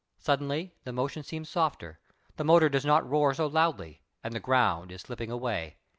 Suddenly the motion seems softer, the motor does not roar so loudly, and the ground is slipping away.